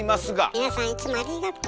皆さんいつもありがとう！